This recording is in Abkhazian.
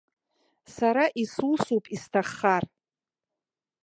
Сара исусуп, исҭаххар.